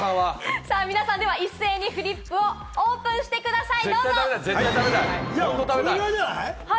皆さん、一斉にオープンしてください。